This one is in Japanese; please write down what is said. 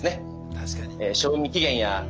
確かに。